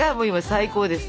最高です。